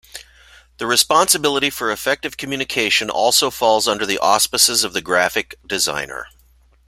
The responsibility for effective communication also falls under the auspices of the graphic designer.